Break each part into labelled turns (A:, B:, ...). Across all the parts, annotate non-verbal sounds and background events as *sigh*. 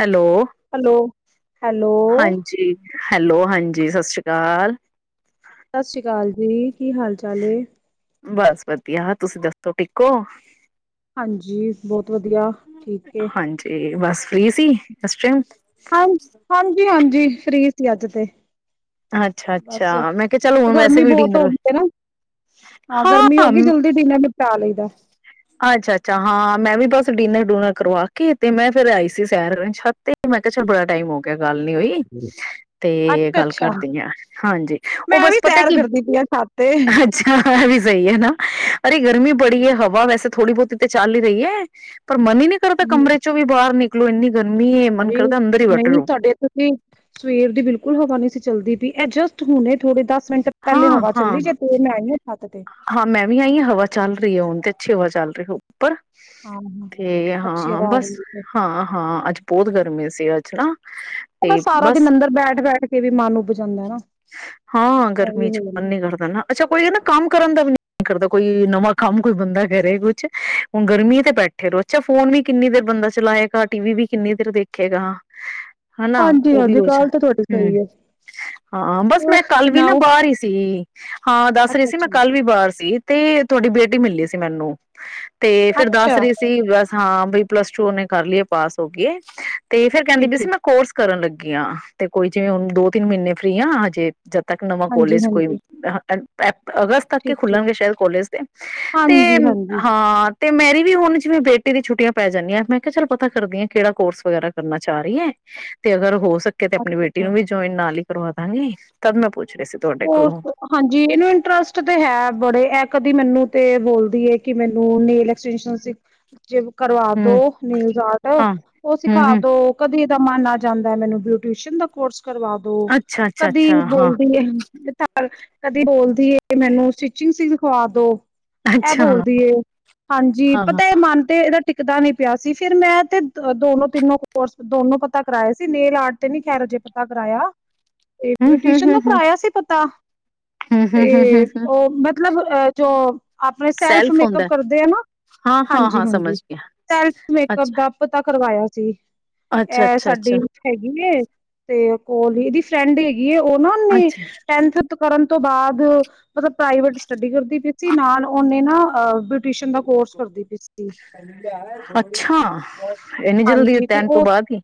A: Hello,
B: hello hello
A: ਹਾਂਜੀ, hello ਹਾਂਜੀ ਸਤਿ ਸ੍ਰੀ ਅਕਾਲ
B: ਸਤਿ ਸ਼੍ਰੀ ਅਕਾਲ ਜੀ ਕੀ ਹਾਲ ਚਾਲ
A: ਬਸ ਵਧੀਆ ਤੁਸੀਂ ਦੱਸੋ ਠੀਕ ਹੌ
B: ਹਾਂਜੀ ਬਹੁਤ ਵਧੀਆ ਠੀਕ ਹੈ
A: ਫਰੀ ਸੀ ਅਸ ਟਾਈਮ
B: ਹਾਂ ਹਾਂਜੀ ਹਾਂਜੀ ਫਰੀ ਅੱਜ ਤੇ ਬਸ
A: ਅੱਛਾ-ਅੱਛਾ ਮੈਂ ਕਿਹਾ ਚੱਲ ਹੁਣ ਵੈਸੇ
B: ਗਰਮੀ
A: ਵੀ
B: ਬਹੁਤ ਹੋ
A: ਡਿਨਰ
B: ਗਈ ਹੈ ਨਾ ਹਾਂ ਗਰਮੀ ਹੋ ਗਈ ਜਲਦੀ ਦਿਨ ਨਿਪਟਾ ਲਈਦਾ
A: ਅੱਛਾ ਅੱਛਾ ਹਾਂ ਮੈਂ ਵੀ ਬਸ ਡਿਨਰ ਡੂਨਰ ਕਰਵਾ ਕੇ ਤੇ ਮੈਂ ਫੇਰ ਆਈ ਸੀ ਸੈਰ ਛ ਤੇ ਮੈਂ ਕਿਹਾ ਚੱਲ ਬੜਾ ਟਾਈਮ ਹੋ ਗਿਆ ਗੱਲ ਨੀ ਹੋਈ ਤੇ
B: ਅੱਛਾ
A: ਗੱਲ
B: ਅੱਛਾ
A: ਕਰਦੀ ਹ ਹਾਂਜੀ
B: ਮੈਂ
A: ਉਹ
B: ਵੀ
A: ਬਸ ਪਤਾ
B: ਸੈਰ
A: ਕੀ
B: ਕਰਦੀ ਪਈ ਆ ਛੱਤ ਤੇ
A: ਅੱਛਾ ਵੀ ਹੀ ਹੈ ਨਾ ਅਰੇ ਗਰਮੀ ਪੜੀ ਹੈ ਹਵਾ ਵੈਸੇ ਥੋੜੀ ਬਹੁਤੀ ਤੇ ਚੱਲ ਹੀ ਰਹੀ ਹੈ ਪਰ ਮਨ ਹੀ ਨਹੀਂ ਕਰਦਾ ਕਮਰੇ ਚੋਂ ਵੀ ਬਾਹਰ ਨਿਕ ਨਿਕਲੇ ਇਹਨੀ
B: *unintelligible* ਨਹੀਂ ਤੁਹਾਡੇ ਇੱਥੇ ਤੇ ਸਵੇਰ ਦੀ ਬਿਲਕੁਲ ਹਵਾ ਨੀ ਸੀ ਚਲਦੀ ਪਈ ਐਡਜਸਟ ਹੋਣੇ ਥੋੜੇ ਦਸ ਮਿੰਟ ਪਹਿਲੇ
A: ਹਾਂ,
B: ਹਵਾ
A: ਹਾਂ,
B: ਚੱਲੀ ਜੇ ਤੇ ਮੈਂ ਆਈ ਛੱਤ ਤੇ
A: ਹਾਂ ਮੈਂ ਵੀ ਆਈ ਹਵਾ ਚੱਲ ਰਹੀ ਹੈ ਹੁਣ ਤੇ ਅੱਛੀ ਹਵਾ ਚੱਲ ਰਹੇ ਹੋ ਉੱਪਰ
B: ਹਾਂ ਹਾਂ
A: ਤੇ
B: ਅੱਛੀ
A: ਹਾਂ
B: ਹਵਾ ਆ
A: ਬਸ
B: ਰਹੀ ਹੈ
A: ਹਾਂ ਹਾਂ ਅੱਜ ਬਹੁਤ ਗਰਮੀ ਸੀ ਅਜੱ ਨਾ।
B: ਉਹ ਬਸ ਸਾਰਾ ਦਿਨ ਅੰਦਰ ਬੈਠ-ਬੈਠ ਕੇ ਵੀ ਮਨ ਉਬ ਜਾਉਂਦਾ ਹੈ ਨਾ।
A: ਹਾਂ
B: ਉਹੀ
A: ਗਰਮੀ ਚ
B: ਹੋ
A: ਮਨ
B: ਜਾਂਦਾ।
A: ਨੀ ਕਰਦਾ ਨਾ। ਅੱਛਾ ਕੋਈ ਕਹਿੰਦਾ ਕੰਮ ਕਰਨ ਦਾ ਵੀ ਨ ਕਰਦਾ ਕੋਈ ਨਵਾਂ ਕੰਮ ਕੋਈ ਬੰਦਾ ਕਰੇ ਕੁਛ ਹੁਣ ਗਰਮੀ ਤੇ ਬੈਠੇ ਰਹੋ ਅੱਛਾ ਫੋਨ ਵੀ ਕਿੰਨੀ ਦੇਰ ਬੰਦਾ ਚਲਾਏਗਾ ਟੀ ਵੀ ਵੀ ਕਿੰਨੀ ਦੇਰ ਦੇਖੇਗਾ। ਹਨਾ
B: ਹਾਂਜੀ
A: ਉਹ ਵੀ
B: ਹਾਂਜੀ
A: ਹੋ ਜਾ
B: ਗਾਲ ਤਾਂ ਤੁਹਾਡੀ
A: ਹਮ
B: ਸਹੀ ਹੈ।
A: ਹਾਂ ਬਸ ਮੈਂ ਕੱਲ ਵੀ ਨਾ ਬਾਹਰ ਹੀ ਸੀ ਹਾਂ ਦੱਸ ਰਹੀ ਸੀ ਮੈਂ
B: ਅੱਛਾ-ਅੱਛਾ,
A: ਕੱਲ ਵੀ ਬਾਹਰ ਸੀ ਤੇ। ਤੁਹਾਡੀ ਬੇਟੀ ਮਿਲੀ ਸੀ ਮੈਨੂੰ। ਤੇ ਫਿਰ ਦੱਸ
B: ਅੱਛਾ
A: ਰਹੀ ਸੀ ਬਸ ਹਾਂ। ਬੀ ਪਲੱਸ ਟੂ ਉਸ ਨੇ ਕਰ ਲਈ ਹੈ ਪਾਸ ਹੋ ਗਈ ਹੈ। ਤੇ ਫੇਰ ਕਹਿੰਦੀ ਵੀ ਸੀ
B: ਠੀਕ-ਠੀਕ,
A: ਮੈਂ ਕੋਰਸ ਕਰਨ ਲੱਗੀ। *unintelligible* ਫਰੀ ਹਾਂ ਹਜੇ।
B: ਹਾਂਜੀ-ਹਾਂਜੀ,
A: *unintelligible* ਪੈ ਅਗਸਤ ਤੱਕ ਹੀ
B: ਠੀਕ-ਠੀਕ,
A: ਖੁੱਲਣਗੇ ਸ਼ਾਇਦ ਕੋਲਜ ਦੇ ਤੇ
B: ਹਾਂਜੀ-ਹਾਂਜੀ।
A: ਹਾਂ। ਤੇ ਮੇਰੀ ਵੀ ਹੁਣ ਜਿਵੇਂ ਬੇਟੀ ਦੀ ਛੁੱਟੀਆਂ ਪੈ ਜਾਂਦੀਆਂ ਮੈਂ ਕਿਹਾ ਚੱਲ ਪਤਾ ਕਰਦੀ ਹਾਂ, ਕਿਹੜਾ ਕੋਰਸ ਵਗੈਰਾ ਕਰਨਾ ਚਾ ਰਹੀ ਹੈ ਤੇ ਅਗਰ ਹੋ ਸਕੇ ਤੇ ਆਪਣੀ ਬੇਟੀ
B: ਅੱਛਾ-ਅੱਛਾ,
A: ਨੂੰ ਵੀ ਜੁਆਇਨ ਨਾਲ ਈ। ਕਰਵਾਦਾਂਗੇ ਤਦ ਮੈਂ ਪੁੱ
B: ਸਪੋਰਟ ਹਾਂਜੀ ਇਹਨੂੰ ਇੰਟਰਸਟ ਤੇ ਹੈ ਬੜੇ ਐ ਕਦੀ ਮੈਨੂੰ ਤੇ ਬੋਲਦੀ ਹੈ ਕਿ ਮੈਨੂੰ ਨੇਲ ਐਕਟੈਂਸਨ ਜੇ ਕਰਵਾ ਦੋ
A: ਹੂੰ
B: ਨੇਲਜ ਆਟ
A: ਹਾਂ
B: ਉਹ
A: ਹੂੰ
B: ਸਿਖਾ
A: ਹੂੰ
B: ਦੋ ਕਦੇ ਦਾ ਮਨ ਆ ਜਾਂਦਾ ਹੈ ਮੈਨੂੰ ਬਿਊਟੀਸ਼ਨ ਦਾ ਕੋਰਸ ਕਰਵਾ ਦੋ
A: ਅੱਛਾ ਅੱਛਾ
B: ਕਦੀ
A: ਅੱਛਾ ਹਾਂ
B: ਬੋਲਦੀ ਹੈ ਕਦੀ ਬੋਲਦੀ ਐ ਮੈਨੂੰ ਸਟੀਚਿੰਗ ਚ ਹੀ ਰਖਵਾ ਦੋ
A: ਅੱਛਾ ਹਾਂ ਹਾਂ
B: *unintelligible* ਟਿਕਦਾ ਨੀ ਪਿਆ ਸੀ ਫਿਰ ਮੈਂ ਤੇ ਦੋਨੋ-ਤਿੰਨੋ ਕੋਰਸ ਦੋਨੋਂ ਪਤਾ ਕਰਾਏ ਸੀ, ਨੇਲ ਆਰਟ ਤੇ ਨੀ ਖੈਰ ਹਜੇ ਪਤਾ ਕਰਵਾਇਆ। ਇਹ
A: ਹੂੰ ਹੂੰ
B: ਬਿਟਿਊਸ਼ਨ
A: ਹੂੰ
B: ਦਾ
A: ਹੂੰ
B: ਕਰਾਇਆ ਸੀ ਪਤਾ। ਤਾਂ
A: ਹੂੰ ਹੂੰ ਹੂੰ
B: ਤੇ
A: ਹੂੰ
B: ਉਹ ਮਤਲਬ ਆ ਜੋ ਆਪਣੇ ਸੈਲਫ ਮੇਕਅਪ ਕਰਦੇ ਆ ਨਾ
A: ਹਾਂ ਹਾਂ ਹਾਂ
B: ਹਾਂਜੀ-ਹਾਂਜੀ
A: ਸਮਝ ਗਿਆ
B: ਸੈਲਫ ਮੇਕਅਪ
A: ਅੱਛਾ,
B: ਦਾ ਪਤਾ ਕਰਵਾਇਆ। ਜੀ।
A: ਅੱਛਾ,
B: ਇਹ
A: ਅੱਛਾ, ਅੱਛਾ,
B: ਸਾਡੀ ਹੈਗੀ ਏ ਤੇ ਕੋਲ ਹੀ ਇਹਦੀ ਚੰਡੀ ਕੀ, ਉਹਨਾਂ ਨੇ
A: ਅੱਛਾ,
B: ਮੇਕਅਪ ਕਰਨ ਤੋਂ ਬਾਅਦ ਮਤਲਬ, ਪ੍ਰਾਈਵੇਟ ਸਟੱਡੀ ਕਰਦੀ ਪਈ। ਤੇ ਨਾਲ ਉਹਨੇ ਨਾ, ਅਹ
A: ਅੱਛਾ, ਇੰਨੀ ਜਲਦੀ
B: ਹਾਂਜੀ ਤੇ
A: ਟੈਂਥ ਤੋਂ
B: ਉਹ
A: ਬਾਅਦ ਹੀ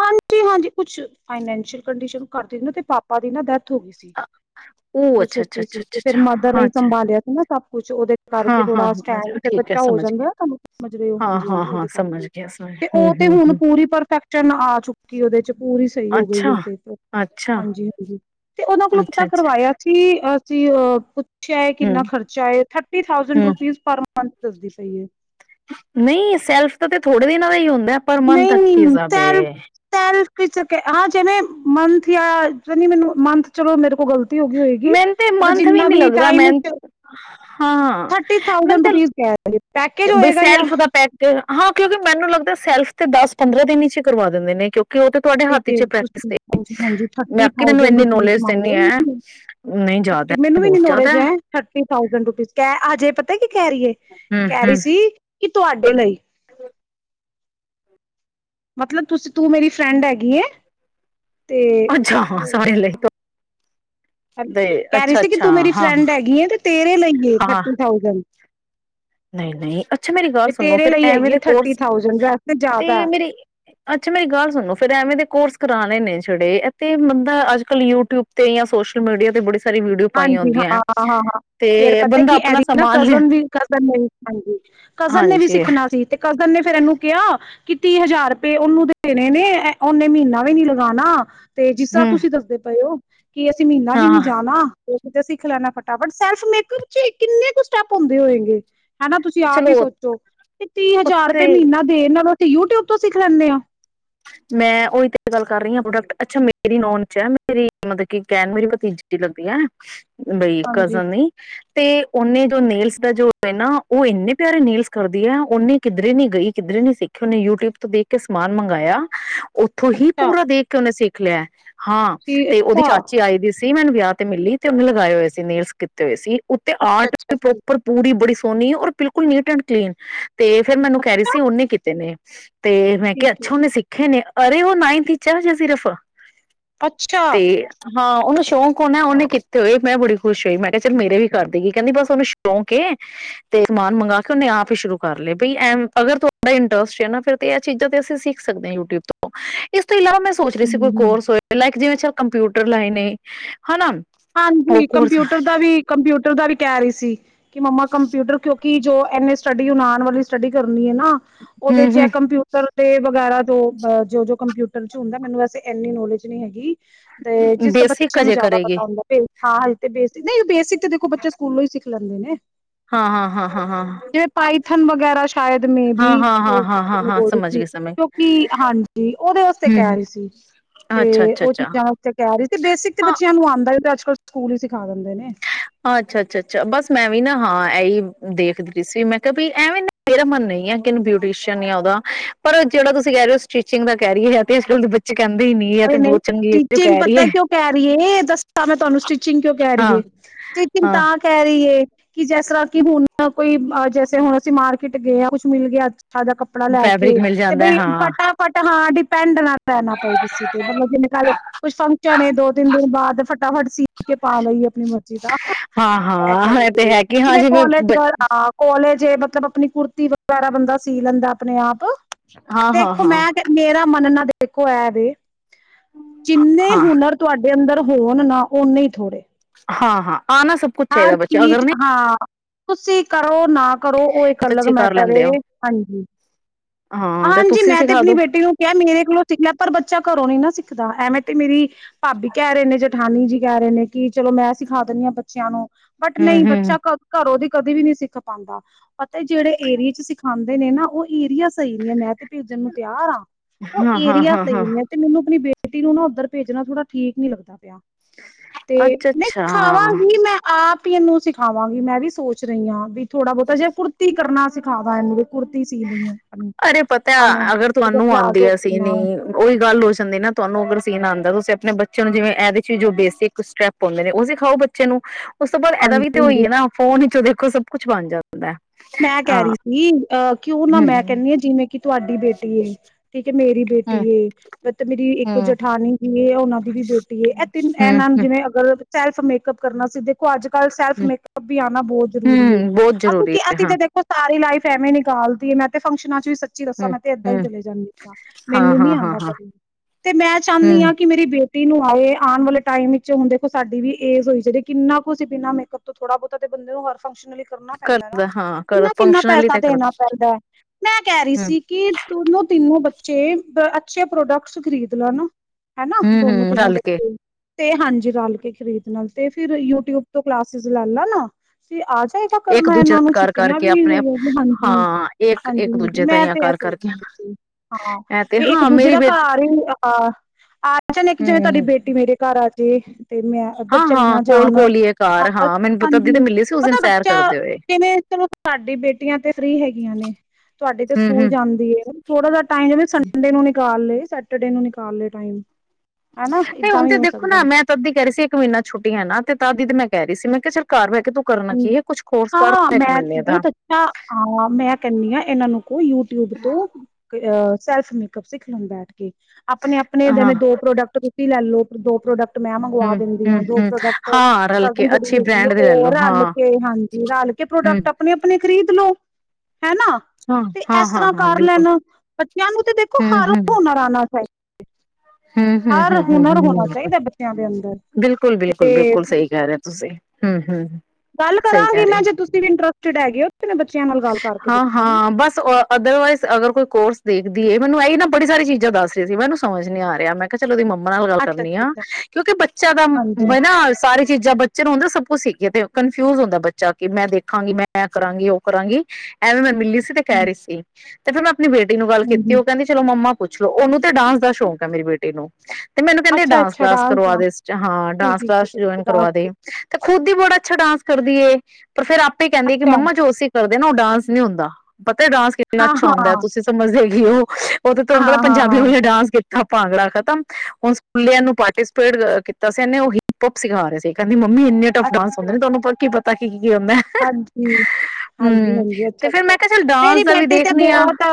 B: ਹਾਂਜੀ-ਹਾਂਜੀ ਕੁਛ ਫਾਈਨੈਂਸ਼ੀਅਲ ਕੰਡੀਸ਼ਨ ਕਰਕੇ ਨਾ ਤੇ ਪਾਪਾ ਦੀ ਨਾ ਡੈਥ ਹੋਗੀ। ਤੇ
A: ਉਹ
B: ਜਦੋਂ
A: ਅੱਛਾ, ਅੱਛਾ,
B: ਛੋਟੀ
A: ਅੱਛਾ,
B: ਸੀ ਤੇ
A: ਅੱਛਾ, ਅੱਛਾ
B: ਫੇਰ ਮਦਰ ਨੇ
A: ਹਾਂ
B: ਹੀ
A: ਅੱਛਾ
B: ਸੰਭਾਲਿਆ ਸੀ ਨਾ। ਸਭ ਕੁਛ ਉਹਦੇ ਕਰਕੇ
A: ਹਾਂ, ਹਾਂ,
B: ਥੋੜਾ ਸਟੈਂਡ
A: ਹਾਂ
B: ਤੇ
A: ਠੀਕ ਹੈ
B: ਬੱਚਾ ਹੋ
A: ਸਮਝ ਗਏ।
B: ਜਾਂਦਾ ਨਾ, ਤੁਹਾਨੂੰ ਸਮਝ ਰਹੇ ਹੋ,
A: ਹਾਂ, ਹਾਂ,
B: ਹਾਂਜੀ-ਹਾਂਜੀ,
A: ਹਾਂ
B: ਉਹਦੇ
A: ਸਮਝ
B: ਕਰਕੇ
A: ਗਿਆ ਸਮਝ
B: ਤੇ
A: ਹੂੰ,
B: ਉਹ ਤੇ
A: ਹੂੰ,
B: ਹੁਣ
A: ਹੂੰ
B: ਪੂਰੀ ਪਰਫੈਕਸ਼ਨ ਆ ਚੁੱਕੀ ਉਹਦੇ ਚ ਪੂਰੀ ਸਹੀ ਹੋ ਗਈ,
A: ਅੱਛਾ, ਅੱਛਾ,
B: ਹਾਂਜੀ -ਹਾਂਜੀ। ਉਹਨਾਂ ਕੋਲੋਂ
A: ਅੱਛਾ,
B: ਪਤਾ
A: ਅੱਛਾ
B: ਕਰਵਾਇਆ ਸੀ ਅ *unintelligible* ਛੇਆ ਏ ਕਿੰਨਾ
A: ਹੂੰ,
B: ਖਰਚਾ ਏ? ਥਰਟੀ ਥਾਊਂਜਡ
A: ਹੂੰ
B: ਰੁਪੀਜ ਪਰ ਮੰਥ। ਪੰਜ ਦੱਸਦੀ ਸੀਗੀ।
A: ਨਹੀਂ, ਸੈਲਫ ਤਾਂ ਤੇ ਥੋੜੇ ਦਿਨਾਂ ਦਾ ਹੀ ਹੋਉ। *unintelligible*
B: *unintelligible* ਆ ਜਿਵੇਂ ਮੰਥ ਜਾਂ ਮੈਨੂੰ ਮੰਥ ਚਲੋ ਮੇਰੇ ਕੋਲੋਂ ਗਲਤੀ ਗਲਤੀ ਹੋ ਗਈ ਹੋਏਗੀ।
A: ਮੈਨੂੰ ਤੇ
B: ਮਤਲਬ,
A: ਮੰਥ
B: ਜਿੰਨਾ
A: ਨੀ
B: ਵੀ
A: ਲੱਗਦਾ
B: ਟਾਈਮ
A: ਮੈਂ
B: ਉੱਤੇ
A: ਹਾਂ
B: ਥਰਟੀ
A: ਮੈਨੂੰ
B: ਥਾਉਜਡ ਰੁਪੀਜ
A: ਤੇ
B: ਕਹਿ ਰਹੇ ਨੇ।
A: ਬਈ ਸੈਲਫ ਦਾ ਪੈਕ, ਹਾਂ ਕਿਉਂਕਿ ਮੈਨੂੰ ਲੱਗਦਾ, ਸੈਲਫ ਤੇ ਦਸ ਪੰਦਰਾਂ ਦਿਨ ਹੀ ਚ ਕਰਵਾ ਦਿੰਦੇ ਨੇ ਕਿਉ
B: *unintelligible* ਹਾਂਜੀ-ਹਾਂਜੀ, ਥਰਟੀ
A: ਬਾਕੀ ਮੈਨੂੰ
B: ਥਾਊਜਡ
A: ਇੰਨੀ
B: ਰੁਪੀਜ
A: ਨੌਲੇਜ ਤੇ
B: ਮੰਗ
A: ਨੀ
B: ਰਹੀ
A: ਹੈ ਨਹੀਂ ਜ਼ਿਆਦਾ
B: ਐ, ਮੈਨੂੰ ਵੀ
A: ਬਹੁਤ
B: ਨੀ ਮੋੜੇ
A: ਜ਼ਿਆਦਾ
B: ਅਜੇ। ਹਜੇ ਪਤਾ ਕੀ ਕਹਿ ਰਹੀ ਐ
A: ਹੂੰ
B: ਕਹਿ ਰਹੀ
A: ਹੂੰ
B: ਸੀ ਕਿ ਤੁਹਾਡੇ ਲਈ ਮਤਲਬ ਤੁਸੀ, ਤੂੰ ਮੇਰੀ ਫਰੈਂਡ ਹੈਗੀ ਐ
A: ਅੱਛਾ, ਹਾਂ ਸਾਰੇ ਲਏ ਤੋ
B: ਕਹਿ ਰਹੀ ਸੀ ਕਿ ਤੂੰ ਮੇਰੀ ਫਰੈਂਡ ਹੈਗੀ ਹੈ ਤੇ ਤੇਰੇ ਲਈਏ ਥਰਟੀ ਥਾਊਜਡ।
A: ਨਹੀਂ-ਨਹੀਂ, ਅੱਛਾ ਮੇਰੀ ਗੱਲ
B: ਵੀ
A: ਸੁਣੋ,
B: ਤੇਰੇ
A: ਫਿਰ
B: ਲਈ
A: ਐਮ
B: ਹੈਗੀ ਏ
A: ਦੇ
B: ਥਰਟੀ
A: ਕੋਰਸ,
B: ਥਾਊਜੈਂਡ ਵੈਸੇ ਜ਼ਿਆਦਾ
A: ਤੇ ਮੇਰੀ ਅੱਛਾ, ਮੇਰੀ ਗੱਲ ਸੁਣੋ, ਫੇਰ ਐਵੇਂ ਦੇ ਕੋਰਸ ਕਰਾਣੇ ਨੇ ਜਿਹੜੇ ਇਹ ਤੇ ਬੰਦਾ ਅੱਜ- ਕੱਲ ਯੂਟਿਊਬ ਤੇ ਜਾਂ ਸੋਸ਼ਲ ਮੀਡੀਆ ਤੇ ਬੜੀ ਸਾਰੀ ਵੀਡੀਓ ਪਾਈਆ
B: ਹਾਂਜੀ,
A: ਹੁੰਦੀਆਂ ਹੈ
B: ਹਾਂ, ਹਾਂ, ਹਾਂ ਫੇਰ
A: ਤੇ
B: ਪਤਾ
A: ਬੰਦਾ
B: ਕੀ
A: ਆਪਣਾ
B: ਇਹਦੀ ਨਾ
A: ਸਮਾਨ ਲਿਆ
B: ਕਜ਼ਨ ਵੀ ਕਜ਼ਨ ਨੇ ਹਾਂਜੀ, ਕਜ਼ਨ ਨੇ ਵੀ
A: ਹਾਂਜੀ
B: ਸਿੱਖਣਾ ਸੀ ਤੇ ਕਜ਼ਨ ਨੇ ਫੇਰ ਇਹਨੂੰ ਕਿਹਾ ਕਿ ਤੀਹ ਹਜ਼ਾਰ ਰੁਪਏ ਉਹਨੂੰ ਦੇਣੇ ਨੇ। ਉਨੇ ਮਹੀਨਾ ਵੀ ਨੀ ਲਗਾਉਣਾ। ਤੇ ਜਿਸ ਤਰਾਂ
A: ਹੂੰ
B: ਤੁਸੀਂ ਦੱਸਦੇ ਪਏ ਹੋ। ਕੀ ਅਸੀਂ ਮਹੀਨਾ ਵੀ ਨਹੀ
A: ਹਾਂ
B: ਜਾਣਾ ਸਿੱਖ ਲੈਣਾ ਫਟਾ ਫਟ ਸੇਲਫ ਮੇਕਿੰਗ ਚ ਕਿੰਨੇ ਕੁ ਸਟੈਪ ਹੁੰਦੇ ਹੋਏਗੇ। ਹਨਾ ਤੁਸੀਂ ਆਪ ਹੀ
A: ਚਲੋ
B: ਸੋਚੋ ਤੇ ਤੀਹ ਹਜ਼ਾਰ ਰੁਪਏ
A: ਉੱਥੇ
B: ਮਹੀਨਾ ਦੇਣ ਨਾਲੋ ਤੇ ਯੂਟਿਊਬ ਤੋਂ ਸਿੱਖ ਲੈਂਦੇ ਹਾ।
A: ਮੈਂ ਉਹੀ ਤੇ ਗੱਲ ਕਰ ਰਹੀ ਹ ਪ੍ਰੋਡਕਟ, ਅੱਛਾ ਮੇਰੀ ਨੋਨ ਚ ਆ ਮੇਰੀ ਮਤਲਬ ਕਹਿਣ ਮੇਰੀ ਭਤੀਜੀ ਲਗਦੀ ਹੈ। ਬਈ
B: ਹਾਂਜੀ
A: ਕਜ਼ਨ ਨਈ। ਤੇ ਉਹਨੇ ਜੋ ਨੇਲਸ ਦਾ ਜੋ ਹੈ ਨਾ ਉਹ ਇੰਨੇ ਪਿਆਰੇ ਨੇਲਸ ਕਰਦੀ ਹੈ, ਉਹਨੇ ਕਿੱਧਰੇ ਨੀ ਗਈ ਕਿੱਧਰੇ ਨੀ ਸਿੱਖੀ ਉਹਨੇ ਯੂਟਿਊਬ ਤੋਂ ਦੇਖ ਕੇ ਸਮਾਨ ਮੰਗਾ ਆਇਆ। ਉੱਥੋਂ ਹੀ
B: ਅੱਛਾ
A: ਪੂਰਾ ਦੇਖ ਕੇ ਉਹਨੇ ਸਿੱਖ ਲਿਆ ਹਾਂ
B: ਠੀਕ,
A: ਤੇ ਉਹਦੀ
B: ਅੱਛਾ
A: ਚਾਚੀ ਆਈ ਦੀ ਸੀ ਸੀ ਮੈਨੂੰ ਵਿਆਹ ਤੇ ਮਿਲੀ ਤੇ ਉਹਨੇ ਲਗਾਏ ਹੋਏ ਸੀ ਨੇਲਸ ਕੀਤੇ ਹੋਏ ਸੀ ਉੱਤੇ
B: ਅੱਛਾ
A: ਆਰਟ
B: ਅੱਛਾ
A: ਪ੍ਰੋਪਰ ਪੂਰੀ ਬੜੀ ਓਨੀ ਔਰ ਬਿਲਕੁਲ ਨੀਟ ਐਂਡ ਕਲੀਨ, ਤੇ ਫੇਰ ਮੈਨੂੰ ਕੈ ਰੇ
B: ਅੱਛਾ
A: ਸੀ ਉਨੇ ਕਿਤੇ ਨੇ ਤੇ, ਮੈਂ,
B: ਠੀਕ
A: ਕਿਹਾ
B: ਠੀਕ
A: ਕਿੱਖੇ ਨੇ ਅਰੇ, ਉਹ ਨਾਇੰਥ ਵਿੱਚ ਹੇ, ਅਜੇ ਸਿਰਫ।
B: ਅੱਛਾ।
A: ਤੇ ਹਾਂ ਉਹਨੂੰ ਸ਼ੌਕ ਹੋਨਾ ਉਹਨੇ ਕਿਤੇ ਹੋਏ ਮੈਂ ਬੜੀ ਖੁਸ਼ ਹੋਈ, ਮੈਂ ਕਿਹਾ ਚਲ ਮੇਰੇ ਵੀ ਕਰ ਦੇਗੀ, ਕਹਿੰਦੀ ਬਸ ਉਹਨੂੰ ਸ਼ੌਕ ਏ, ਤੇ ਸਮਾਨ ਮੰਗਵਾ ਕੇ ਉਹਨੇ ਆਪ ਹੀ ਸ਼ੁਰੂ ਕਰ ਲਏ, ਬਈ ਐਵ ਅਗਰ ਤੁਹਾਡਾ ਇੰਟਰਸਟ ਆ ਨਾ ਫੇਰ ਤੇ ਇਹ ਚੀਜ਼ਾਂ ਤੇ ਅਸੀ ਸੀਂਖ ਸਕਦੇ ਹ ਯੂਟਿਊਬ ਤੋਂ ਇਸ ਇਲਾਵਾ ਮੈਂ ਸੋਚਰੀ ਸੀ, ਕੋਈ
B: ਹੂੰ-ਹੂੰ,
A: ਕੋਰਸ ਹੋਏ ਲਾਈਕ ਜਿਵੇਂ ਚੱਲ ਕੰਪਿਊਟਰ ਲਾਇਨ ਏ ਹਨਾ। ਉਹ
B: ਹਾਂਜੀ
A: ਕੋਰਸ
B: ਕੰਪਿਊਟਰ ਦਾ ਵੀ, ਕੰਪਿਊਟਰ ਦਾ ਵੀ ਕਹਿ ਰਹੀ ਸੀ। ਕਿ ਮੰਮਾ ਕੰਪਿਊਟਰ ਕਿਉਂ ਕਿ, ਜੋ ਐਨੇ ਸਟੱਡੀ ਹੁਣ ਆਣ ਵਾਲੀ ਸਟੱਡੀ ਕਰਨੀ ਹੈ, ਨਾ ਹਾਂ, ਉਹਦੇ
A: ਹੂੰ
B: ਚ ਏਹ
A: ਹੂੰ
B: ਕੰਪਿਊਟਰ ਤੇ, ਵਗੈਰਾ ਤੋਂ ਜੋ-ਜੋ ਕੰਪਿਊਟਰ ਚ ਹੁੰਦਾ ਮੈਨੂੰ ਵੇਸੇ ਐਕ੍ਸ ਇੰਨੀ ਨੌਲੇਜ ਨਹੀਂ ਹੈਗੀ। ਤੇ ਜਿਸ
A: ਬੇਸਿਕ
B: ਬੱਚਿਆਂ ਨੂੰ
A: ਹਜੇ
B: ਜਿਆਦਾ
A: ਕਰੇਗੀ
B: ਪਤਾ ਹੁੰਦਾ। ਹਾਂ, ਹਾਲ ਤੇ ਬੇਸਿਕ, ਨਹੀਂ ਬੇਸਿਕ ਤੇ ਦੇਖੋ ਬੱਚਾ ਸਕੂਲੋਂ ਹੀ ਸਿੱਖ ਲੈਂਦੇ ਨੇ।
A: ਹਾਂ ਹਾਂ ਹਾਂ ਹਾਂ ਹਾਂ
B: ਜਿੜ ਪਾਈਥਨ ਵਗੈਰਾ ਸ਼ਾਇਦ ਮੇ ਬੀ,
A: ਹਾਂ ਹਾਂ ਹਾਂ
B: ਕਿਉਂਕਿ
A: ਹਾਂ ਹਾਂ ਹਾਂ ਸਮਝ ਗਈ ਸਮਝ
B: ਹਾਂਜੀ ਉਹਦੇ ਵਾਸਤੇ
A: ਹੂੰ
B: ਕਹਿ ਰਹੀ ਸੀ, ਤੇ
A: ਅੱਛਾ ਅੱਛਾ
B: ਉਹ
A: ਅੱਛਾ
B: ਚੀਜ਼ਾਂ ਵਾਸਤੇ ਕਹਿ ਰਹੀ ਸੀ, ਤੇ ਬੇਸਿਕ ਤੇ
A: ਹਾਂ
B: ਬੱਚਿਆਂ ਨੂੰ ਆਉਂਦਾ ਹੀ ਪਯਾ ਸਕੂਲ ਹੀ ਸਿਖਾ ਦਿੰਦੇ ਨੇ
A: ਅੱਛਾ- ਅੱਛਾ- ਅੱਛਾ ਬਸ ਮੈਂ ਵੀ ਨਾ ਹਾਂ, ਏਹੀ ਦੇਖ ਰਹੀ ਸੀ ਮੈਂ ਕਿ ਭੀ ਕਿ ਐਵੇਂ ਨਾ ਮੇਰਾ ਮਨ ਨਹੀਂ ਹੈ, ਏਨੂੰ ਬਿਊਟੀਸ਼ਯਨ ਯਾਂ ਉਹਦਾ ਪਰ ਜਿਹੜਾ ਤੁਸੀਂ ਕਹਿ ਰਹੇ ਹੋ ਸਟੀਿਚਿੰਗ ਦਾ ਕਹਿ ਰਹੀ ਹੈ, ਏਹ ਤਾਂ ਅਜਕਲ ਦੇ ਬੱਚੇ ਕਹਿੰਦੇ ਹੀ ਨੀ ਹੈ ਤੇ
B: ਅਰੇ ਨਹੀਂ
A: ਬਹੁਤ ਚੰਗੀ ਹੈ ਜੋ
B: ਸਟਿਚਿੰਗ
A: ਕਹਿ ਰਹੀ ਹੈ
B: ਪਤਾ ਕਿਉਂ ਕਹਿ ਰਹੀ ਏ। ਦੱਸਾਂ, ਮੈਂ ਤੁਹਾਨੂੰ ਸਟੀਿਚਿੰਗ ਕਿਉਂ ਕਹਿ ਰਹੀ
A: ਹਾਂ
B: ਏ। ਸਟੀਚਿਂਗ
A: ਹਾਂ
B: ਤਾਂ ਕਹਿ ਰਹੀ ਏ ਕਿ ਜੇਸ ਰਾਂ ਕਿ ਹੁਣ ਕੋਈ, ਜੈਸੇ ਹੁਣ ਅਸੀਂ ਮਾਰਕਿਟ ਗਏ ਹਾਂ ਕੁਛ ਮਿਲ ਗਿਆ ਆਜਾ ਕੱਪੜਾ ਲੈ, ਕੇ,
A: ਫੈਬਰਿਕ ਮਿਲ
B: ਤੇ
A: ਜਾਂਦਾ
B: ਬਈ
A: ਹਾਂ
B: ਫਟਾ- ਫਟ ਹਾਂ, ਡਿਪੈਂਡ ਨਾ ਰਹਿਣਾ ਪਏ ਕਿਸੇ ਤੇ। ਮਤਲਬ ਜਿਵੇੇ ਕੱਲ ਕੋਈ ਫੰਕਸ਼ਨ ਏ ਦੋ, ਤਿੰਨ ਦਿਨ ਬਾਅਦ ਫਟਾਫਟ ਸੀ ਕੇ ਪਾ ਲਈਏ। ਅਪਣੀ ਮਰਜੀ ਦਾ,
A: ਹਾਂ ਹਾਂ ਇਹ ਤੇ ਹੈ ਕਿ ਹਾਂ
B: ਜਿਵੇਂ ਕੌਲੇਜ
A: ਬ
B: ਗਰ੍ਲ੍ ਹਾਂ ਕੌਲੇਜ ਮਤਲਬ ਅਪਣੀ ਕੁੜਤੀ ਵਗੈਰਾ ਬੰਦਾ ਸੀ ਲੈਂਦਾ ਅਪਣੇ ਆਪ।
A: ਹਾਂ ਹਾਂ
B: ਦੇਖੋ
A: ਹਾਂ
B: ਮੈਂ ਤਾਂ ਮੇਰਾ ਮੰਨਣਾ ਦੇਖੋ, ਐ ਵੇ ਜਿੰਨੇ
A: ਹਾਂ
B: ਹੁਨਰ ਤੁਹਾਡੇ ਅੰਦਰ ਹੋ ਹੋਣ ਨਾ, ਉਹਨੇ ਹੀ ਥੋੜੇ।
A: ਹਾਂ- ਹਾਂ। ਆਣਾ ਸਭ ਕੁਛ ਚਾਹੀਦਾ
B: ਹਰ
A: ਬੱਚਿਆਂ ਨੂੰ ਅਗਰ
B: ਚੀਜ਼
A: ਨਹੀਂ
B: ਹਾਂ ਤੁਸੀਂ ਕਰੋ ਨਾ ਕਰੋ ਉਹ ਇੱਕ
A: ਬਹੁਤ
B: ਅਲੱਗ
A: ਅੱਛੀ ਕਰ
B: ਮੈਟਰ
A: ਲੈਂਦੇ
B: ਏ,
A: ਹੋ
B: ਹਾਂਜੀ।
A: ਹਾਂ
B: ਹਾਂਜੀ,
A: ਤੁਸੀਂ
B: ਮੈਂ ਤੇ
A: ਸਿਖਾ
B: ਅਪਣੀ
A: ਦੋ
B: ਬੇਟੀ ਨੂੰ ਕਿਹਾ ਮੇਰੇ ਕੋਲੋਂ ਸਿੱਖ ਲੈ ਪਰ ਬੱਚਾ ਘਰੋਂ ਨੀ ਨਾ ਸਿੱਖਦਾ। ਐਵੇਂ ਤੇ ਮੇਰੀ ਭਾਬੀ ਕਹਿ ਰਹੇ ਨੇ ਜੇ ਨਾਨੀ ਜੀ ਕਹਿ ਰਹੇ ਨੇ ਕਿ ਚਲੋ ਮੈਂ ਸਿਖਾ ਦਿੰਨੀ ਆ ਬੱਚਿਆਂ ਨੂੰ। ਬਟ ਨਹੀਂ,
A: ਹਮ ਹਮ
B: ਬੱਚਾ ਘਰੋਂ ਦੀ ਕਦੇ ਵੀ ਨਹੀਂ ਸਿੱਖ ਪਾਂਦਾ। ਪਤਾ ਜਿਹੜੇ ਏਰੀਏ 'ਚ ਸਿਖਾਂਦੇ ਨੇ ਨਾ ਉਹ ਏਰੀਆ ਸਹੀ ਨੀ ਹੈ ਮੈਂ ਤੇ ਭੇਜਣ ਨੂੰ ਤਿਆਰ ਆ। ਉਹ
A: ਹਾਂ ਹਾਂ
B: ਏਰਿਆ
A: ਹਾਂ
B: ਸਹੀ
A: ਹਾਂ
B: ਨਈ ਤੇ ਮੈਨੂੰ ਅਪਣੀ ਬੇ ਬੇਟੀ ਨੂੰ ਨਾ ਉਧਰ ਭੇਜਣਾ ਥੋੜ੍ਹਾ ਠੀਕ ਨਈ ਲਗਦਾ। ਤੇ
A: ਅੱਛਾ
B: ਮੈਂ
A: ਅੱਛਾ
B: ਸਿਖਾਵਾਂਗੀ ਮੈਂ ਆਪ ਈ ਇਹਨੂੰ ਸਿਖਾਵਾਂਗੀ ਮੈਂ ਵੀ ਸੋਚ ਰਹੀ ਆ ਵੀ ਥੋੜਾ ਬਹੁਤਾ ਜੇ ਕੁੜਤੀ ਕਰਨਾ ਸਿਖਾ ਦਾ ਇਹਨੂੰ ਵੀ ਕੁੁਰਤੀ ਸੀਨੀ ਏ।
A: ਅਰੇ, ਪਤਾ ਅਗਰ ਤੁਹਾਨੂੰ ਆਂਦੀ ਏ
B: ਕਿੰਨਾ
A: ਸੀਨੀ, ਉਹੀ ਗੱਲ ਹੋ ਜਾਂਦੀ ਏ ਨਾ ਤੁਹਾਨੂੰ ਅਗਰ ਸੀਨਾ ਆਉਂਦਾ ਤੁਸੀਂ ਆਪਣੇ ਬੱਚੇ ਜਿਵੇਂ ਇਹਦੇ 'ਚ ਵੀ ਜੋ ਬੇਸਿਕ ਸਟੈਪ ਹੁਣ ਮੇਰੇ ਉਹ ਸਿਖਾਓ ਬੱਚੇ ਨੂੰ ਉਸ ਤੋਂ ਬਾਅਦ ਐਦਾ ਵੀ ਤੇ
B: ਹਾਂਜੀ ਹਾਂਜੀ
A: ਉਹੀ ਹੈ ਨਾ ਫੋਨ 'ਚ ਉਹਦੇ ਵੇਖੋ ਸਭ ਕੁਛ *unintelligible*
B: ਮੈਂ ਕਹਿ
A: ਹਾਂ
B: ਰਹੀ ਸੀ ਆ ਕਿਉਂ ਨਾ
A: ਹਮ
B: ਮੈਂ
A: ਹਮ
B: ਕਹਿਨੀ ਹਾਂ ਜਿਵੇਂ ਕੀ ਤੁਹਾਡੀ ਬੇਟੀ ਏ ਇੱਕ ਤੇ ਮੇਰੀ ਬੇਟੀ
A: ਹਮ
B: ਏ, ਤੇ ਮੇਰੀ ਇੱਕ
A: ਹਮ
B: ਜਠਾਨੀ ਇਹ ਉਹਨਾਂ ਦੀ ਵੀ ਬੇਟੀ ਏ ਇਹ ਤਿੰਨ ਐਨਾ ਨੂੰ
A: ਹਮ
B: ਜਿਵੇਂ ਅਗਰ ਚਾਏ ਤਾਂ ਮੇਕਅੱਪ ਕਰਨਾ ਸੀ ਦੇਖੋ ਅੱਜ ਕੱਲ ਸੈਲਫ
A: ਹਮ
B: ਮੇਕਅੱਪ ਵੀ ਆਣਾ ਬਹੁਤ ਜਰੂਰੀ ਏ।
A: ਹਮ ਬਹੁਤ
B: *unintelligible*
A: ਜ਼ਰੂਰੀ ਹੈ
B: ਤੁਸੀ
A: ਹਾਂ
B: ਦੇਖੋ ਸਾਰੀ ਲਾਈਫ ਮੈ ਵੀ ਨਿਕਾਲ ਤੀ ਮੈਂ ਤੇ ਫੰਕਸ਼ਨਾ 'ਚ ਵੀ ਸਚ ਸੱਚੀ ਦੱਸਾਂ
A: ਹਮ
B: ਮੈਂ ਤੇ ਏਦਾਂ ਹੀ
A: ਹਮ
B: ਚਲੇ ਜਾਨੀ।
A: ਹਾਂ
B: ਮੈਨੂੰ ਨੀ
A: ਹਾਂ ਹਾਂ
B: ਆਂਦਾ
A: ਹਾਂ
B: ਕਰਨਾ, ਤੇ ਮੈਂ ਚਾਹਨੀ
A: ਹਮ
B: ਆ ਕਿ ਮੇਰੀ ਬੇਟੀ ਤੀ ਨੂੰ ਹਾਏ, ਆਉਣ ਵਾਲੇ ਟਾਈਮ ਇੱਚ ਹੁਣ ਦੇਖੋ ਸਾਡੀ ਵੀ ਏਜ ਹੋਈ ਜਾ ਰਹੀ, ਕਿੰਨਾ ਕੁ ਅਸੀਂ ਬਿਨਾ ਮੇਕਅੱਪ ਤੋਂ ਥੋੜਾ ਬਹੁਤਾ ਤੇ ਬੰਦੇ ਨੂੰ ਹਰ ਫੰਕਸ਼ਨਲੀ ਕਰਨਾ ਪੈਂਦਾ ਨਾ।
A: ਕਰਦਾ ਹਾਂ ਕਰ
B: ਕਿੰਨਾ-ਕਿੰਨਾ
A: ਫੰਕਸ਼ਨਲੀ
B: ਪੈਸਾ
A: ਤੇ ਕਰ
B: ਦੇਣਾ ਪੈਂਦਾ ਏ? ਮੈਂ ਕਹਿ ਰਹੀ
A: ਹਮ
B: ਸੀ ਕਿ ਤੂੰ ਨਾ ਤਿੰਨੋ ਬੱਚੇ ਬ ਅ ਅਛੇ ਪ੍ਰੋਡਕਟਸ ਖਰੀਦ ਲਣ ਹੈਨਾ,
A: ਹਮ
B: ਦੋਨੋ
A: ਹਮ
B: ਤਿੰਨੋ
A: ਰਲ ਕੇ
B: ਬੱਚੇ ਤੇ ਹਾਂਜੀ ਰਲ ਕੇ ਖ਼ਰੀਦ ਲੈਣ, ਤੇ ਫਿਰ ਯੂਟਿਊਬ ਤੋਂ ਕਲਾਸਿਸ ਲੈ ਲਣ ਫਿਰ ਆਜ *unintelligible*
A: ਇੱਕ
B: ਕਰਨਾ
A: ਦੂਜੇ
B: ਇਹਨਾਂ
A: ਦਾ
B: ਨੂੰ
A: ਕਰ
B: ਛੁੱਟੀਆਂ
A: ਕਰਕੇ
B: ਵੀ ਨਹੀਂ
A: ਆਪਣੇ
B: ਹੋਈਆਂ ਹਾਂਜੀ,
A: ਹਾਂ ਇੱਕ ਇੱਕ
B: ਹਾਂਜੀ-ਹਾਂਜੀ
A: ਦੂਜੇ
B: ਮੈਂ
A: ਦਾ
B: ਤੇ ਇਹ
A: ਕਰ
B: ਸੋਚ
A: ਕਰਕੇ
B: ਸੀ ਹਾਂ,
A: ਇਹ ਤੇ
B: ਵੀ ਇੱਕ
A: ਹਾਂ
B: ਦੂਜੇ
A: ਮੇਰੀ
B: ਦਾ
A: ਬੇਟੀ
B: ਕਾਰ ਈਆ, ਆ ਜਾ ਇੱਕ ਜਿਵੇਂ ਤੁਹਾਡੀ
A: ਹੂੰ,
B: ਬੇਟੀ ਮੇਰੇ ਘਰ ਆ ਇਹ
A: ਹਾਂ-ਹਾਂ, ਕੋਲ-ਕੋਲ ਈ ਹੈ ਕਾਰ, ਹਾਂ ਮੈਨੂੰ ਪਤਾ ਆ, ਦੀਦੀ
B: ਹਾਂਜੀ
A: ਮਿਲੇ ਸੀ ਉਸ ਦਿਨ
B: ਪਤਾ
A: ਸੈਰ
B: ਬੱਚਾ
A: ਕਰਦੇ ਹੋਏ।
B: ਕਿਵੇਂ ਚਲੋ ਤਾਡੀ ਬੇਟੀਆਂ ਤੇ ਫਰੀ ਹੈਗੀਆਂ ਨੇ, ਤੁਹਾਡੀ ਤੇ ਸਕੂਲ
A: ਹੂੰ-ਹੂੰ
B: ਜਾਂਦੀ ਹੈ, ਥੋੜਾ ਜਿਹਾ ਟਾਈਮ ਜਿਵੇ ਸੰਡੇ ਨੂੰ ਨਿਕਾਲ ਲਏ। ਸੈਟਰਡੇ ਨੂੰ ਨਿਕਾਲ ਲੈ ਟਾਈਮ। ਹਨਾ
A: ਨਹੀਂ
B: ਏਦਾਂ
A: ਹੁਣ
B: ਵੀ
A: ਤੇ
B: ਹੋ
A: ਦੇਖੋ ਨਾ,
B: ਸਕਦਾ
A: ਮੈਂ ਤਦੀ ਕਹ ਰਹੀ ਸੀ ਇੱਕ ਮਹੀਨਾ ਛੁੱਟੀਆਂ ਹੈ ਨਾ, ਤੇ ਤਦ ਹੀ ਤੇ ਮੈਂ ਮੈ ਕਹਿ ਰਹੀ ਸੀ, ਮੈਂ ਕਿਹਾ ਚੱਲ ਘਰ ਬੇ
B: *unintelligible* ਹਾਂ ਮੈਂ
A: ਮਹੀਨੇ ਦਾ
B: ਬਹੁਤ ਅੱਛਾ ਆ, ਮੈਂ ਕੇਹਣੀ ਆ, ਇਹਨਾਂ ਨੂੰ ਕਹੋ ਯੂਟਿਊਬ ਤੋਂ ਅਹ ਸੈਲਫ ਮੇਕਅਪ ਸਿੱਖ ਲੈਣ ਬੈਠ ਕੇ ਆਪਣੇ-ਆਪਣੇ
A: ਹਾਂ
B: ਜੇਵੇਂ ਦੋ ਪ੍ਰੋਡਕਟ ਤੁਸੀਂ ਲੈਲੋ। ਦੋ ਪ੍ਰੋਡਕ ਮੈਂ ਮੰਗਵਾ ਦਿੰਦੀ ਹਾਂ, ਦੋ
A: ਹੂੰ-ਹੂੰ-ਹੂੰ
B: ਪ੍ਰੋਡਕਟ
A: ਹਾਂ ਰਲ
B: ਕਜ਼ਨ
A: ਕੇ
B: ਜਿਹੜੀ
A: ਅੱਛੇ
B: ਹੈਗੀ ਆ
A: ਬ੍ਰੈਂਡ ਦੇ ਲੈ
B: ਉਹ
A: ਲੋ ਹਾਂ
B: ਰਲਕੇ ਹਾਂਜੀ, ਰਲਕੇ
A: ਹੂੰ
B: ਪ੍ਰੋਡਕਟ ਅਪਣੇ-ਅਪਣੇ ਖਰੀਦ ਲੋ। ਹੈਨਾ,
A: ਹਾਂ,
B: ਤੇ ਏਸ ਤਰ੍ਹਾਂ
A: ਹਾਂ-ਹਾਂ-ਹਾਂ
B: ਕਰ
A: ਬਿਲਕੁਲ
B: ਲੈਣ, ਬੱਚਿਆਂ ਨੂੰ ਤੇ ਦੇਖੋ ਹਰ ਹੁਨਰ ਆਣਾ ਚਾਹੀ ਹੋਣਾ
A: ਹੂੰ-ਹੂੰ-ਹੂੰ-ਹੂੰ-ਹੂੰ।
B: ਚਾਹੀਦਾ ਬੱਚਿਆਂ ਦੇ ਅੰਦਰ
A: ਬਿਲਕੁ-ਬਿਲਕੁਲ-ਬਿਲਕੁਲ। ਸਹੀ ਕਹਿ ਰਹੇ ਹੋ ਤੁਸੀਂ। ਹਮ-ਹਮ।
B: ਗੱਲ ਕਰਾਂਗੀ ਮੈਂ ਜੇ ਤੁਸੀਂ ਵੀ ਇੰਟਰਸਟਿਡ ਹੈਗੇ ਹੋ, ਤੇ ਮੈਂ ਬੱਚਿਆਂ ਨਾਲ ਗੱਲ ਕਰਕੇ ਦੇਖਾਂਗੀ।
A: ਹਾਂ-ਹਾਂ ਦੀਏ ਬਨਵਾਈ ਨਾ, ਬੜੀ ਸਾਰੀ ਚੀਜ਼ਾਂ ਦੱਸ ਰਹੇ ਸੀ, ਮੈਨੂੰ ਸਮਝੀ ਆ ਯਾਰ ਮੈਂ ਕਿਹਾ ਚਲ ਉਹਦੀ ਮੰਮ ਮੰਮਾ ਨਾਲ ਗੱਲ
B: ਅੱਛਾ
A: ਕਰਨੀ
B: ਅੱਛਾ
A: ਆ,
B: ਅੱਛਾ
A: ਕਿਉਂਕਿ ਬੱਚਿਆਂ ਦਾ ਬੇ ਨਾ
B: ਹਾਂਜੀ
A: ਸਾਰੀ ਚੀਜ਼ਾਂ ਬ ਬਚੇ ਨੂੰ ਹੁੰਦਾ ਸਭ ਕੁਛ ਸਿੱਖ ਗਿਆ ਤੇ ਉਹ ਕਨਫਿਊਜ ਹੁੰਦਾ ਬੱਚਾ, ਕਿ ਮੈਂ ਦੇਖਾਂਗੀ, ਮੈਂ ਇਹ ਕਰਾਂਗੀ, ਉਹ ਕਰਾਂਗੀ। ਐਵੇਂ ਮ ਮਿਲੀ ਸੀ, ਤੇ ਕਹਿ ਰਹੀ ਸੀ। ਤੇ ਫਿਰ ਮੈਂ ਆਪਣੀ ਬੇਟੀ ਨੂੰ ਗੱਲ ਕੀਤੀ, ਉਹ ਕਹਿੰਦੀ ਚਲੋ ਮੰਮਾ ਪੁੱਛਲੋ ਉਹਨੂੰ ਤੇ ਡਾਂਸ ਦਾ ਸ਼ੌਕ ਮੇਰੀ ਬੇਟੀ ਨੂੰ। ਤੇ ਮੈਨੂੰ ਕਹਿੰਦੇ ਡਾਂਸ ਕਲਾਸ ਕਰਵਾ ਦੇ। ਹਾਂ ਡਾਂਸ ਕਲਾਸ ਜੋਇਨ ਕਰਵਾ ਦੇ ਤੇ ਖੁਦ ਬੜਾ ਅੱਛਾ ਡਾਂਸ ਕਰਦੀ ਏ। ਪਰ ਫਿਰ ਆਪੇ ਕਹਿੰਦੀ ਕਿ ਮੰਮਾ ਜੋ ਅਸੀ ਕਰ ਨਾ ਉਹ ਡਾਂਸ ਨਹੀਂ ਹੁੰਦਾ। ਪਤਾ ਡਾਂਸ ਕਿੰਨਾ ਅੱਛਾ ਹੁੰਦਾ। ਤੁਸੀਂ ਸਮਝਦੇ *unintelligible* ਉਥੇ ਤੁਹਾਨੂੰ ਪਤਾ ਪੰਜਾਬੀ ਹੋਈਆ ਡਾਂਸ ਕੀਤਾ। ਭਾਂਗੜਾ ਖਤਮ। ਹੁਣ ਸਕੂਲੇ ਐਨੂ ਨੂੰ ਪਾਰਟੀਸਪੇਟ ਕੀਤਾ ਸੀ। ਇਹਨੇ ਉਹ ਹਿੱਪ ਹੋਪ ਸਿਖਾ ਰਹੇ ਸੀ ਕਹਿ- ਦੀ ਮੰਮੀ ਇੰਨੇ ਟਫ ਡਾਂਸ ਹੁੰਦੇ ਨੇ। ਤੁਹਾਨੂੰ ਪਰ ਕੀ ਪਤਾ ਤਾਂ ਕਿ
B: ਹਾਂਜੀ ਹਾਂਜੀ ਹਾਂਜੀ।
A: ਤੇ
B: ਅੱਛਾ-
A: ਫੇਰ
B: ਅੱਛਾ।
A: ਮੈਂ ਕਿਹਾ ਚੱਲ
B: ਮੇਰੀ
A: ਡਾਂਸ ਦਾ ਵੀ
B: ਬੇਟੀ ਤੇ
A: ਦੇਖਣੀ ਆ
B: ਬਹੁਤ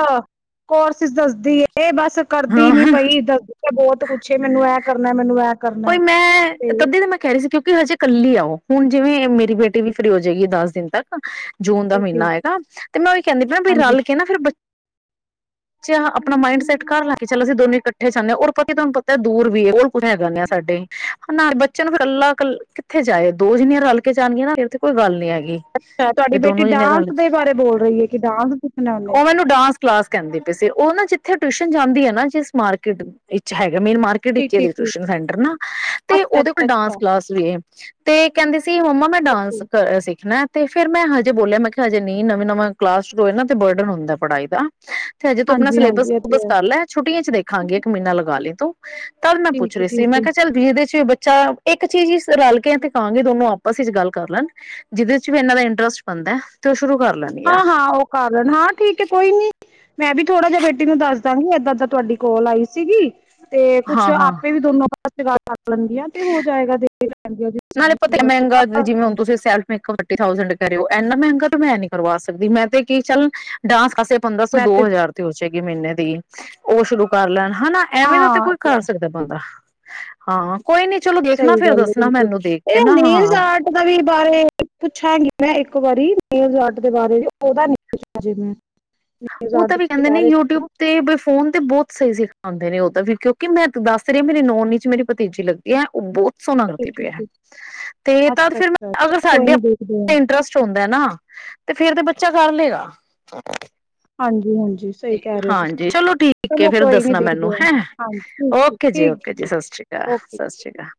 B: ਕੋਰਸਿਸ ਦੱਸਦੀ ਏ। ਬਸ ਕਰਦੀ
A: ਹਾਂ
B: ਨੀ ਪਈ ਦ ਬਹੁਤ ਕੁੱਛ ਏ, ਮੈਨੂੰ ਇਹ ਕਰਨਾ। ਮੈਨੂੰ ਐ ਕਰਨਾ
A: ਉਈ
B: ਤੇ
A: ਮੈਂ ਤੱਦੀ ਤਾਂ ਮੈਂ ਕਹਿ ਰਹੀ ਸੀ ਕਿ ਉ ਕਿ, ਹਜੇ ਕੱਲੀ ਆ ਓ। ਹੁਣ ਜਿਵੇਂ ਮੇਰੀ ਬੇਟੀ ਵੀ ਫ੍ਰੀ ਹੋ ਜਾਏਗੀ ਦਸ ਦਿਨ ਤੱਕ। ਜੂਨ ਦਾ ਮਹੀਨਾ
B: ਠੀਕ-ਠੀਕ
A: ਹੈਗਾ ਤੇ, ਮੈਂ ਉਹੀ ਕਹਿੰਦੀ ਪੈ
B: ਹਾਂਜੀ।
A: ਰਲ ਕੇ ਨਾ ਫਿਰ ਜੇ ਆਪਣਾ ਮਾਈੰਡ ਸੈਟ ਕਰ ਲਾ ਕੇ ਚੱਲ ਅਸੀਂ ਦੋਨੇ ਏ ਚਾਹਨੇ ਆ, ਔਰ ਪਤਾ ਤੁਹਾਨੂੰ ਪਤਾ ਦੂਰ ਵੀ ਏ, *inaudible* ਸਾਡੇ ਨਾਲੇ ਬੱਚੇ ਨੂੰ ਫਿਰ ਕੱਲਾ ਕੱ ਕਿੱਥੇ ਜਾਏ। ਦੋ ਜਿੰਨੀਆਂ ਰਲ ਕੇ ਜਾਨੀਆਂ ਨਾ ਫ਼ੇਰ ਤੇ ਕੋਈ ਗੱਲ ਨੀ ਹੈਗੀ।
B: ਅੱਛਾ। ਤੁਹਾਡੀ
A: ਵੀ
B: ਬੇਟੀ
A: ਦੋਨੋ ਜਣੇ ਰਲ
B: ਡਾਂਸ ਦੇ ਬਾਰੇ ਬੋਲ ਰਹੀ ਹੈ, ਕਿ ਡਾਂਸ ਪੁਛਣਾੁ ਉਹਨੇ।
A: ਉਹ ਮੈਨੂੰ ਡਾਂਸ ਕਲਾਸ ਕਹਿੰਦੇ ਪਏ ਸੀ ਉਹ ਨਾ ਜਿੱਥੇ ਟਿਊਸ਼ਨ ਜਾਂਦੀ ਹੈ ਨਾ ਜਿਸ ਮਾਰਕੀਟ ਵਿੱਚ ਹੈਗਾ। ਮੇਨ ਮਾਰਕਿਟ ਵਿੱਚ ਹੈ।
B: ਠੀਕ-ਠੀਕ-ਠੀਕ,
A: ਟਊਸ਼ਨ ਸੈਂਟਰ। ਨਾ, ਤੇ ਉਹਦੇ ਕੋਲ ਡਾਂਸ
B: ਅੱਛਾ-ਅੱਛਾ-ਅੱਛਾ,
A: ਕਲਾਸ ਵੀ। ਤੇ ਕਹਿੰਦੇ ਸੀ ਮੰਮਾ ਮੈਂ ਡਾਂਸ ਕ ਸਿੱਖਣਾ। ਤੇ ਫੇਰ ਮੈਂ ਹਜੇ ਬੋਲਿਆ ਮੈਂ ਕਿਹਾ ਹਜੇ ਨਹੀਂ। ਨਵੇਂ ਨਵਾਂ ਕਲਾਸ ਜੋ ਇਹ ਨਾ ਤੇ ਬਰਡਨ ਹੁੰਦਾ ਪੜ੍ਹਾਈ ਦਾ। ਤੇ ਹਜੇ ਤੂੰ ਆਪਣਾ ਸਿਲੇਬਸ
B: ਹਾਂਜੀ-ਹਾਂਜੀ ਇਹ
A: ਸਿਲੂਬਸ
B: ਤੇ ਹੈ
A: ਕਰ ਲੈ। ਛੁਟੀਆਂ ਚ ਦੇਖਾਂਗੇ। ਇੱਕ ਮਹੀਨਾ ਲਗਾ ਲੇ। ਤਦ ਮੈਂ ਪੁੱਛ
B: ਠੀਕ ਏ,
A: ਰਹੀ ਸੀ ਤੇ
B: ਠੀਕ
A: ਮੈਂ
B: ਏ।
A: ਕਿਹਾ ਚੱਲ *inaudible* ਸੀ। ਚ ਇੱਕ ਚੀਜ਼ ਹੀ ਰਲ ਕੇ, ਤੇ ਕਹਾਂਗੇ। ਦੋਨੋ ਆਪਸ ਵਿਚ ਗੱਲ ਕਰ ਲੈਣ। ਜਿਹਦੇ ਚ ਵੀ ਇਹਨਾਂ ਦਾ ਇੰਟਰਸਟ ਬਣਦਾ ਤੇ ਸ਼ੁਰੂ ਕਰ ਲੈਣੀ ਆ
B: ਹਾਂ -ਹਾਂ। ਉਹ ਕਰ ਲੈਣ ਹਾਂ ਠੀਕ ਹੈ। ਕੋਈ ਨੀ। ਮੈਂ, ਵੀ ਥੋੜਾ ਜਿਹਾ ਬੇਟੀ ਨੂੰ ਦੱਸ ਦਾਂਗੀ ਏਦਾਂ ਦ ਤੁਹਾਡੀ ਕੋਲ ਆਈ ਸੀਗੀ। ਤੇ ਕੁੱਛ
A: ਹਾਂ ਹਾਂ
B: ਆਪੇ ਵੀ ਦੋਨੋ *unintelligible* *inaudible* ਤੇ ਹੋ ਜਾਏਗਾ। ਦੇਖ ਲੈਣਗੀਆਂ
A: ਨਾਲੇ ਪਤਾ
B: ਇੰਟਰਸਟ
A: ਮਹਿੰਗਾ ਜਿਵੇਂ ਹੁਣ ਤੁਸੀ ਸੇਲਫ਼ ਮੇਕਅੱਪ ਥਰਟੀ ਥਾਉਸੰਡ ਕਹਿ ਰਹੇ ਓ। ਇੰਨਾ ਮਹਿੰਗਾ ਤਾਂ ਮੈਂ ਨੀ ਕਰਵਾ ਸਕਦੀ। ਮੈਂ ਤੇ ਕੀ ਚੱਲ ਡਾਂਸ *unintelligible* ਪੰਦਰਾਂ ਸੌ ਦੋ ਹਜ਼ਾਰ ਤੇ ਹੋ ਜੇ। ਮਹੀਨੇ *unintelligible* ਦੀ ਉਹ ਸ਼ੁਰੂ ਕਰ ਲੈਣ। ਹਨਾ ਐਵੇਂ ਦਾ ਤੇ ਕੋਈ
B: ਹਾਂ
A: ਕਰ ਸਕਦਾ ਬੰਦਾ। ਹਾਂ। ਕੋਈ ਨੀ ਚਲੋ ਦੇਖਣਾ।
B: ਸਹੀ
A: ਫੇਰ
B: ਗੱਲ ਹੈ
A: ਦੱਸਣਾ
B: ਬਿਲਕੁਲ
A: ਮੈਨੂੰ। ਕੇ
B: ਇਹ
A: ਨਾ
B: ਨੈਲਸ
A: ਹਾਂ
B: ਆਰਟ ਦਾ ਵੀ ਬਾਰੇ ਪੁੱਛਾਂਗੀ। ਮੈਂ ਇੱਕ ਵਾਰੀ ਨੈਲਜ਼ ਆਰਟ ਦੇ ਬਾਰੇ ਵੀ *inaudible*
A: ਉਹ ਤਾਂ ਵੀ ਕਹਿੰਦੇ ਨੇ ਯੂਟਿਊਬ
B: ਨਾ
A: ਤੇ ਬਈ ਫੋਨ ਤੇ ਬਹੁਤ ਸਹੀ ਸਿਖਾਉਂਦੇ ਨੇ ਉਹ ਤਾਂ ਫ਼ੇਰ। ਕਿਉਂਕਿ ਮੈਂ ਦੱਸ ਰਹੀ ਮੇਰੀ ਨੋਨ ਵਿੱਚ ਨਾ ਮੇਰੀ ਭਤੀਜੀ ਲੱਗੀ ਹੈ ਉਹ ਬਹੁਤ ਸੋਨਾ
B: ਠੀਕ
A: ਕਰਦੀ
B: ਠੀਕ
A: ਪਈ
B: ਠੀਕ
A: ਤੇ ਤਦ
B: ਅੱਛਾ
A: ਫਿਰ
B: ਅੱਛਾ
A: ਮੈਂ ਅਗਰ
B: ਚਲੋ ਕੋਈ
A: ਸਾਡੇ
B: ਨੀ ਦੇਖਦੇ ਹਾਂ
A: ਇੰਟਰਸਟ *unintelligible* ਹੁੰਦਾ ਨਾ ਤੇ ਫੇਰ ਤੇ *unintelligible* ਕਰ ਲਏਗਾ। *inaudible*
B: ਹਾਂਜੀ। ਹਾਂਜੀ। ਸਹੀ ਕਹਿ ਰਹੇ ਹੋ
A: ਹਾਂਜੀ।
B: ਤੁਸੀਂ
A: ਚਲੋ ਠੀਕ ਹੈ।
B: ਚਲੋ
A: ਫੇਰ
B: ਕੋਈ ਨੀ
A: ਦੱਸਣਾ ਮੈਨੂੰ
B: ਦੇਖਦੇ ਆ
A: ਹੈਂ।
B: ਹਾਂਜੀ ਠੀਕ ਠੀਕ
A: ਓਕੇ ਜੀ
B: ਠੀਕ
A: ਓਕੇ ਜੀ
B: ਠੀਕ
A: ਸਤਿ ਸ਼੍ਰੀ ਅਕਾਲ
B: ਓਕੇ
A: ਸਤਿ ਸ਼੍ਰੀ ਅਕਾਲ।